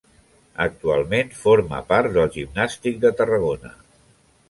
Actualment forma part del Gimnàstic de Tarragona.